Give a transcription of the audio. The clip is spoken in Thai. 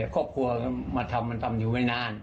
ครอบครัวมาทำมันทำอยู่ไม่นาน